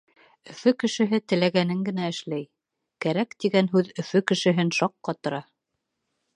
Өфө кешеһе теләгәнен генә эшләй. Кәрәк тигән һүҙ Өфө кешеһен шаҡ ҡатыра.